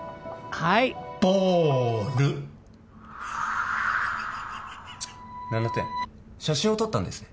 はいボール７点写真を撮ったんですね？